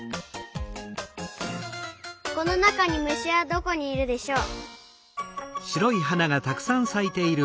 このなかにむしはどこにいるでしょう？